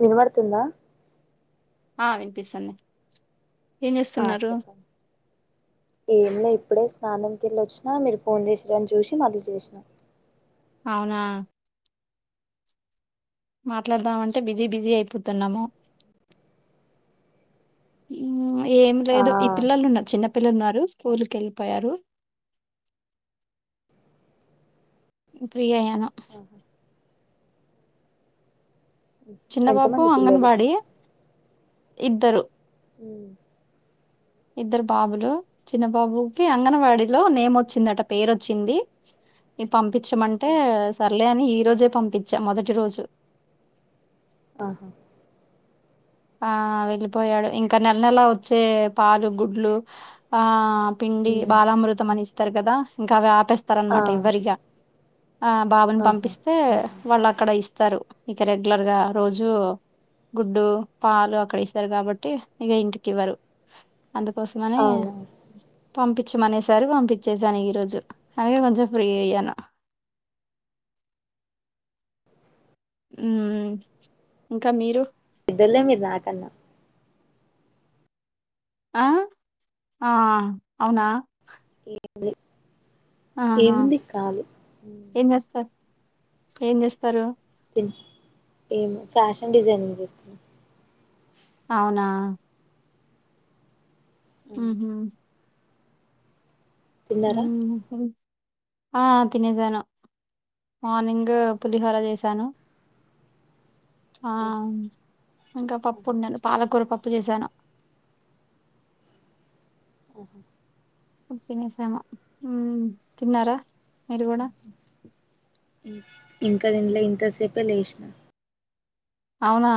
విన్వడ్తుందా ఆ విన్పిస్సుంది ఆ చెప్పం ఏంలే ఇప్పుడే స్నానంకెళ్ళొచ్నా మీరు ఫోన్ చేషిరన్ చూషి మళ్ళీ జేష్నా ఔనా మాట్లాడ్దాం అంటే బిజీ బిజీ అయిపోతున్నాము ఉ ఏం ఆ లేదు ఈ పిల్లలున్నారు చిన్న పిల్లున్నారు స్కూల్కెళ్ళిపోయారు ఫ్రీ అయ్యాను ఆహా. చిన్నబాబు ఎంతమంది పిల్లలు అంగన్వాడి ఇద్దరు ఊ ఇద్దరు బాబులు చిన్న బాబుకి అంగన్వాడిలో నేమొచ్చిందట పేరొచ్చింది పంపిచ్చమంటే సర్లే అని ఈ రోజే పంపిచ్ఛా మొదటి రోజు ఆహ ఆ వెళ్ళిపోయాడు ఇంక నెల నెలా వొచ్చే పాలు గుడ్లు పిండి ఉమ్. బాలామృతం అని ఇస్తరు గదా ఇంకవి ఆపేస్త్ ఆ తరన్మాట ఇవ్వరిగ ఆ బాబుని ఆహా పంపిస్తే వాళ్ళక్కడ ఇస్తారు ఇక రెగ్యులర్గా రోజు గుడ్డు పాలు అక్కడ ఇస్తారు గాబట్టి ఇగ ఇంటికి ఇవ్వరు అందుకోసమని అవునా పంపిచ్చమనేసారు పంపిచ్చేసాను ఈ రోజు అందుకే కొంచెం ఫ్రీ అయ్యాను మ్మ్ ఇంకా మీరు ఇద్దల్లే మీ రాకన్న అ ఆ అవునా ఏంది ఆహా ఉమ్. ఏం చేస్తా ఏం చేస్తారు తిన్ ఏమ్ ఫ్యాషన్ డిజైనింగ్ చేస్తు అవునా ఆ. ఊహు తిన్నారా నకల్ ఆ తినెసాను మార్నింగ్ పులిహోర చేసాను ఆ ఏం? ఇంకా ఆహా. పప్పుందండి పాలకూర పప్పు చేసాను అహా తినేసాము మ్మ్ తిన్నారా మీరు గూడ ఇంకా తిన్లే ఇంతసేపే లేసిన అవునా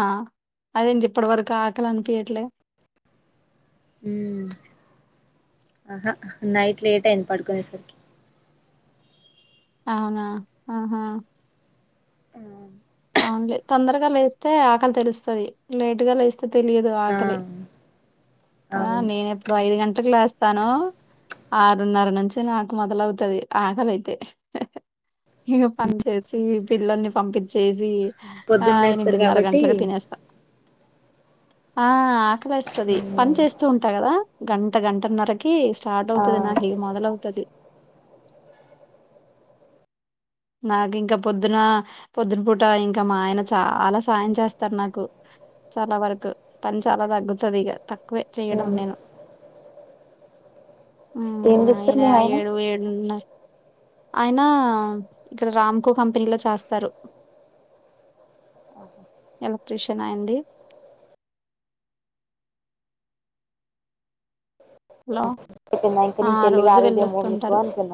అదేంటి ఇప్పటి వరకు ఆకలి అనిపియ్యట్లే హ్మ్ అహ నైట్ లేట్ అయింది పడుకునేసరికి అవునా ఆహా ఆ అవునులే తొందరగా లేస్తే ఆకలి తెలుస్తది లేట్ గా లేస్ తే తెలియదు ఆ. ఆకలి ఆ అవును నేను ఎప్పుడు ఐదు గంటలకు లేస్తాను ఆరున్నర నుంచి నాకు మొదలవుతది ఆకలి అయితే ఇగ పని చేసి పిల్లల్ని పంపిచ్చేసి ఆ పొద్దున్న లేస్తారు ఎనిమిదిన్నర కాబట్టి గంటలకి తినేస్తా ఆ ఆకలేస్తది పని చేస్తూ ఉం ట గదా గంట గంటన్నరకి స్టార్ట్ ఆ అవుతది నాకు ఇగ మొదలవుతది నాకు ఇంకా పొద్దున పొద్దున పూట ఇంకా మా ఆయన చాలా సాయం చేస్తారు నాకు చాలా వరకు పని చాలా తగ్గుతది ఇగ తక్కువే చేయడం ఆహా నేను ఏం మ్మ్ చేస్తారు ఆయన మీ ఏడు ఏడున్నర ఆయనా ఇక్కడ రామ్ కో కంపెనీ లో చేస్తారు ఎలక్ట్రిషియన్ ఆయన్ది హలో [unintelligible] ఇంకా ఆ నేను పెళ్లి రోజు గాలేదేమో మీకు వెళ్ళొస్తుంటారు అనుకున్న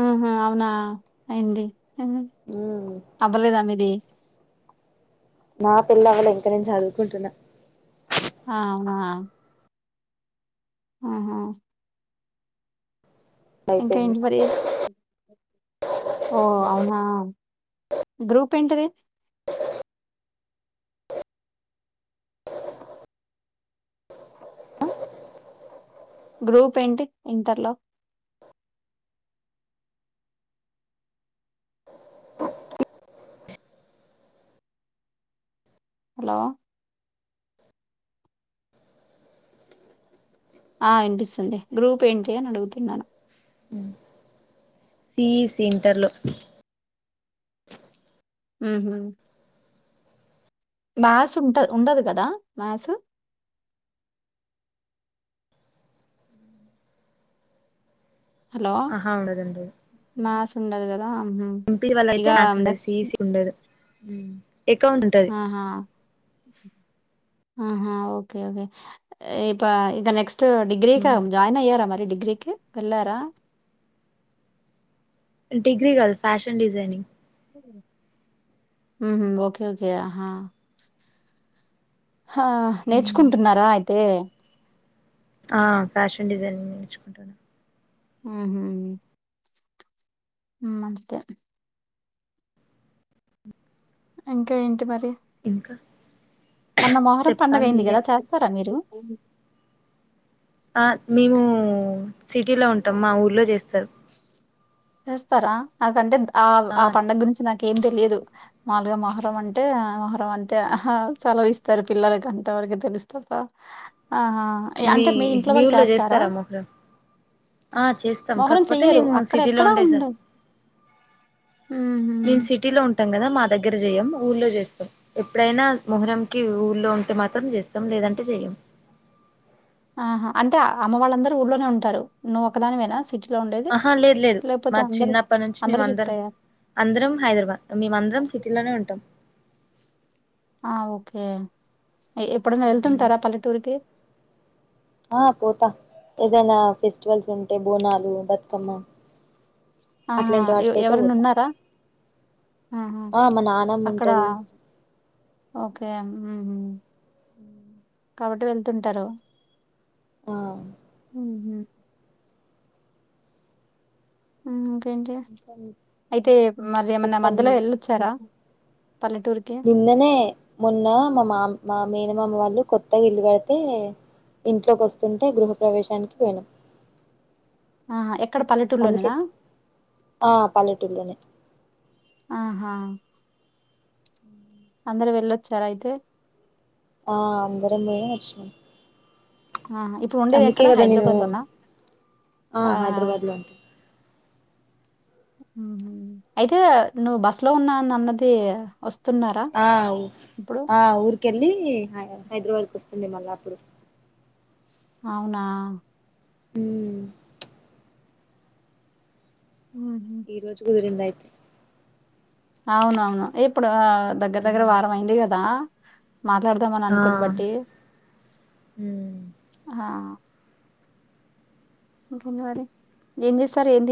ఉహ్మ్ అవునా అయ్యింది మ్ హ్ ఉమ్ అవ్వలేదా మీది నా పెళ్లి అవ్వలేదు ఇంక నేను చదువుకుంటున్నా ఆహా అహా అయిపోయింది ఇంకేంటి మరి ఓ అవునా గ్రూప్ ఏంటిది గ్రూప్ ఏంటి ఇంటర్లో హలో ఆ ఇనిపిస్తుంది గ్రూప్ ఏంటి అని అడుగుతున్నాను సిఈసి ఇంటర్ లో మ్మ్ హ్మ్ మ్యాస్ ఉంటద్ ఉండదు గదా మ్యాస్ హలో ఆహా ఉండదండి మ్యాస్ ఉండదు గదా ఎమ్ పీ సి వాలైతే మ్యాస్ ఉండది సిఈసి కి ఉండదు ఎకౌంట్ అహా ఆహా ఓకే ఓకే ఇపా ఇక నెక్స్ ట్ డిగ్రీకా జాయిన్ అయ్యారా మరి డిగ్రీకి వెళ్ళారా డిగ్రీ కాదు ఫ్యాషన్ డిజైనింగ్ మ్మ్ హు ఓకే ఓకే ఆహా హా నేర్చుకుంటున్నారా అయితే ఆ ఫ్యాషన్ డిజైనింగ్ నేర్చుకుంటన మ్మ్ హ్ మంచిదే ఇంకా ఏంటి మరి ఇంకా మొన్న మొహర్రం చెప్పాలి పండుగైంది మీరే కదా చే తరా మీరు ఆ మేము సిటీలో ఉంటాం మా ఊర్లో జేస్తరు చేస్తారా నాకంటే ఆ ఆ పండగ్ గురించి నాకేం తెలియదు మాములుగా మొహరం అంటే మొహరం అంతే అహా సెలవిస్తరు పిల్లలకి అంతవరకు తెలుస్తబ్బ ఆహా అంటే మీ ఇంట్లో వాళ్ళు చేస్తారా ఆ చేస్తాం మొహరం కాకపోతే చెయ్యరు మేము అక్కడ సిటీలో ఎక్కడా లోండే సార్ ఉండదు ఉహు మేం సిటీలో ఉం టం గదా మా దగ్గర జెయ్యం ఊల్లో జేస్తం ఎప్పుడైనా మొహరంకి ఊళ్ళో ఉంటే మాత్రం జేస్తం లేదంటే జెయ్యం ఆహా అంటే ఆ అమ్మ వాళ్ళందరూ ఊళ్ళోనే ఉంటారు. నువ్వు ఒక్కదానివేనా సిటీ ఆహా లేదు లేదు మా చిన్నప్పనించి మేం అందరూ షిఫ్ట్ అందరం అయ్యారు అందరం హైదరాబాద్ మేమందరం సిటీలోనే ఉంటం ఆ ఓకే ఎ ఎప్పుడన్నా వెళ్తుంటారా పల్లెటూరుకి ఆ పోతా ఏదైనా ఫెస్టివల్స్ ఉంటే బోనాలు బతుకమ్మ ఆహా అట్లాంటి ఎ వాటికైతే పోతా ఎవరన్ననున్నారా ఆహా ఆ మా నానమ్మ అక్కడ ఉంటది ఓకే ఉహ్ కాబట్టి వెల్తుంటరు ఆ ఉహు ఉ ఇంకేంటి ఇంకా అయితే మరీ ఎమన్న చెప్పాలి మధ్యలో మీరు ఒచ్చారా పల్లెటూరుకి నిన్ననే మొన్న మామా మా మేనమామ వాళ్ళు కొత్తగ ఇల్లు గడ్తే ఇంట్లకొస్తుంటే గృహప్రవేశానికి పోయినం ఆహా ఎక్కడ అందుకే పల్లెటూరులోనేనా ఆ పల్లేటూల్లోనే ఆహా అందరు వెళ్ళొచ్చారా అయితే ఆ అందరం పోయినం వచ్చినం ఆహా ఇప్పుడు ఉండేది ఎక్కడ కదా నేను హైద్రాబాద్ లోనా ఆ ఆహా హైదరాబాద్ లో ఉంటా ఉహ్ అయితే నువ్వు బస్లో ఉన్నా ఆన్నది. వస్ ఆ ఆ ఊరికెళ్ళి హై హైద్రవాద్కి ఒస్తుండే మళ్ళా అప్పుడు అవునా ఉమ్ ఉహు ఈ రోజు కుదిరిందైతే అవునవును ఇప్పుడు దగ్గరా దగ్గర గా వారమైంది గదా మాట్లాడుదమని అన్కొని బట్టీ ఆ హా ఇంకేంది మరి ఏం జేస్తారు ఎం తీ